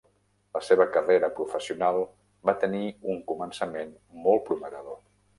La seva carrera professional va tenir un començament molt prometedor.